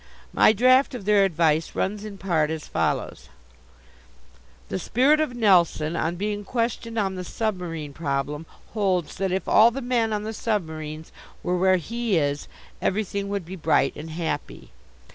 My draft of their advice runs in part as follows: The Spirit of Nelson, on being questioned on the submarine problem, holds that if all the men on the submarines were where he is everything would be bright and happy.